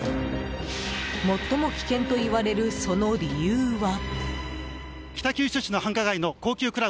最も危険といわれるその理由は。